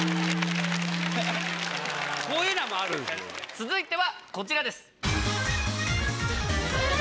続いてはこちらです。